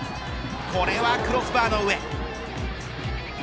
これはクロスバーの上。